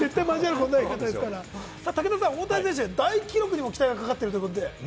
武田さん、大谷選手、大記録にも期待がかかっているということで。